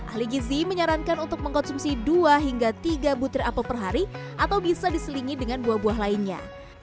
ahli gizi menyarankan untuk mengkonsumsi dua hingga tiga butir apel per hari atau bisa diselingi dengan buah buah lainnya